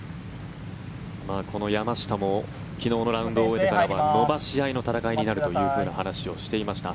この山下も昨日のラウンドを終えてからは伸ばし合いの戦いになると話しをしていました。